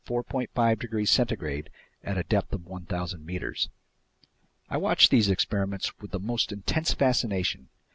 5 degrees centigrade at a depth of 1,000 meters. I watched these experiments with the most intense fascination.